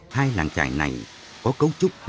hai làng trại này có cấu trúc làng xóm